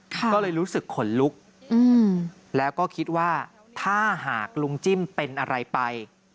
ก็เลยรู้สึกขนลุกแล้วก็คิดว่าถ้าหากลุงจิ้มเป็นอะไรไป